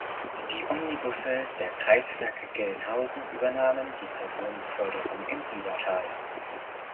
Die Omnibusse der Kreiswerke Gelnhausen übernahmen die Personenbeförderung im Biebertal.